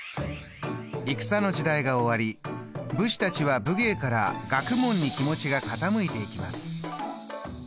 戦の時代が終わり武士たちは武芸から学問に気持ちが傾いていきます。